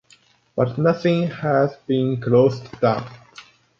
But nothing has been closed down.